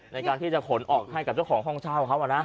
ในการที่จะขนออกให้กับเจ้าของห้องเช่าเขา